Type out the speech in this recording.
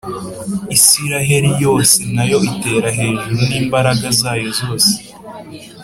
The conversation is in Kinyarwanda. iisraheli yose na yo itera hejuru n’imbaraga zayo zose,